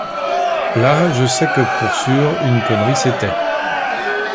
Là je sais que pour sûr une connerie c’était.